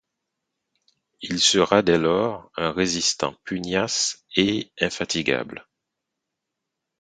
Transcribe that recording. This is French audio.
Il sera dès lors un résistant pugnace et infatigable.